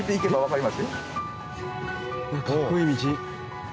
かっこいい道。